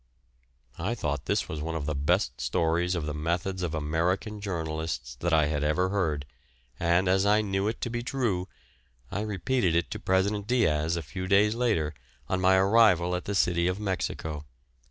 I thought this was one of the best stories of the methods of American journalists that I had ever heard, and as I knew it to be true, I repeated it to President Diaz a few days later, on my arrival at the city of Mexico.